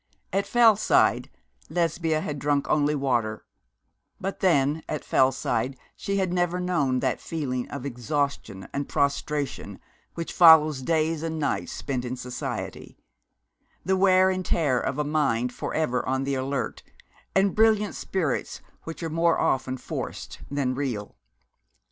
At Fellside Lesbia had drunk only water; but then at Fellside she had never known that feeling of exhaustion and prostration which follows days and nights spent in society, the wear and tear of a mind forever on the alert, and brilliant spirits which are more often forced than real.